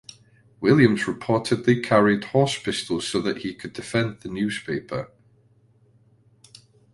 Williams reportedly carried horse pistols so that he could defend the newspaper.